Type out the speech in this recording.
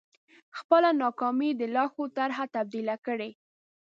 خپله ناکامي د لا ښو طرحو تبديله کړئ.